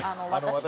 私。